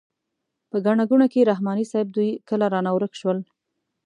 په ګڼه ګوڼه کې رحماني صیب دوی کله رانه ورک شول.